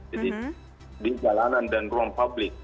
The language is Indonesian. jadi di jalanan dan ruang publik